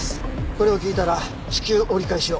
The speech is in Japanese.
これを聞いたら至急折り返しを。